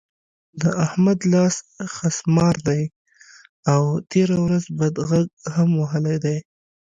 د احمد لاس خسمار دی؛ او تېره ورځ بد غږ هم وهلی دی.